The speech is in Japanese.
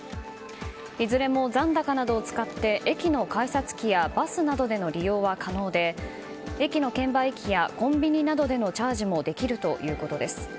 いずれも残高などを使って駅の改札機やバスなどでの利用は可能で駅の券売機やコンビニなどでのチャージもできるということです。